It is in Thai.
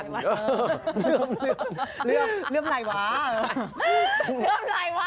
เนื่ำอะไรวัน